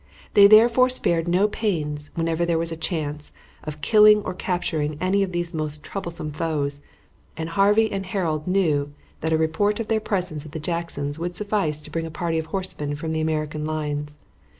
They therefore spared no pains, whenever there was a chance, of killing or capturing any of these most troublesome foes, and Harvey and Harold knew that a report of their presence at the Jacksons' would suffice to bring a party of horsemen from the American lines.